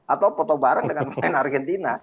atau foto bareng dengan pemain argentina